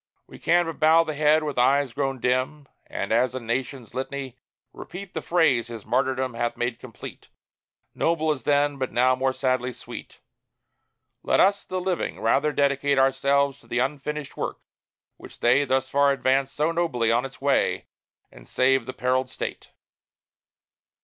We can but bow the head, with eyes grown dim, And, as a Nation's litany, repeat The phrase his martyrdom hath made complete, Noble as then, but now more sadly sweet; "Let us, the Living, rather dedicate Ourselves to the unfinished work, which they Thus far advanced so nobly on its way, And save the perilled State!